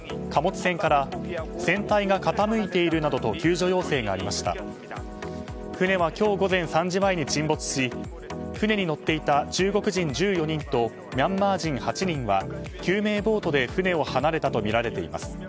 船は今日午前３時前に沈没し船に乗っていた中国人１４人とミャンマー人８人は救命ボートで船を離れたとみられています。